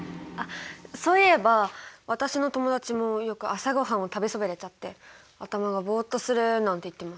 そういえば私の友達もよく朝ごはんを食べそびれちゃって頭がぼっとするなんて言ってます。